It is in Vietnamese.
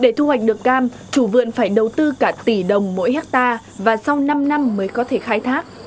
để thu hoạch được cam chủ vườn phải đầu tư cả tỷ đồng mỗi hectare và sau năm năm mới có thể khai thác